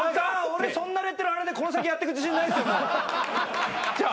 俺そんなレッテル貼られてこの先やってく自信ないっすよ。